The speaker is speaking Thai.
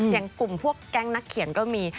อย่างกลุ่มพวกแก๊งนักเขียนก็มี